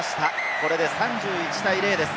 これで３１対０です。